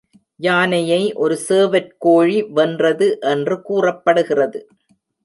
யானையை ஒரு சேவற் கோழி வென்றது என்று கூறப்படுகிறது.